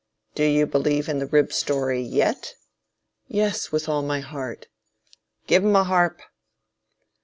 Do you believe the rib story yet? Yes, with all my heart. Give him a harp!